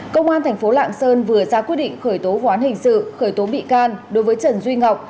công an thành phố lạng sơn vừa ra quyết định khởi tố vụ án hình sự khởi tố bị can đối với trần duy ngọc